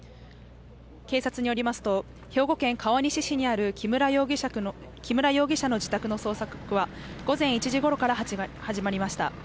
警察によりますと、兵庫県川西市にある木村容疑者宅の捜索は午前１時ごろから始まりました。